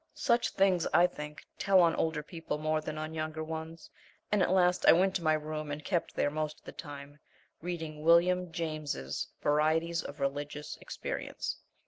Such things, I think, tell on older people more than on younger ones, and at last I went to my room and kept there most of the time, reading William James's Varieties of Religious Experience.